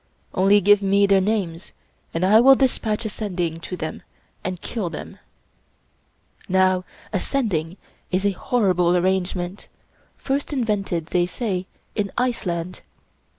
Only give me their names, and I will dispatch a Sending to them and kill them." Now a Sending is a horrible arrangement, first invented, they say, in Iceland.